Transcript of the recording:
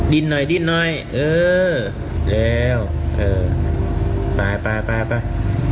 ดินหน่อยดินหน่อยเออแล้วเออไปไป